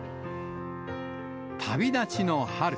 旅立ちの春。